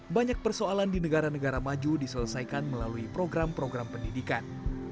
banyak persoalan di negara negara maju diselesaikan melalui program program pendidikan